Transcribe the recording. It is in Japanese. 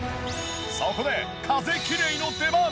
そこで風きれいの出番。